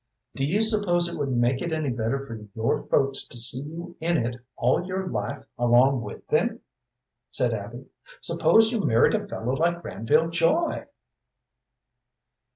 "Do you suppose it would make it any better for your folks to see you in it all your life along with them?" said Abby. "Suppose you married a fellow like Granville Joy?"